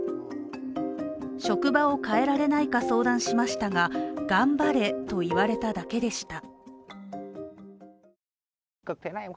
職場を変えられないか相談しましたが頑張れと言われただけでした。